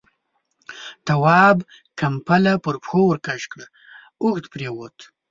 تواب ، کمپله پر پښو ورکش کړه، اوږد پرېووت.